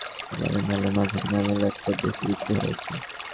মেলার আয়োজক সূত্রে জানা গেছে, এবারের মেলায় মাঝারি দামের ল্যাপটপ বেশি বিক্রি হয়েছে।